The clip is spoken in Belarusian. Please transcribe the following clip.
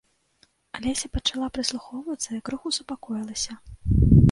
Алеся пачала прыслухоўвацца і крыху супакоілася.